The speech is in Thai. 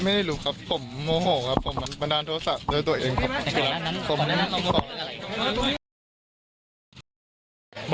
ไม่รู้ครับผมโมโหครับผมบันดาลโทษะด้วยตัวเองครับ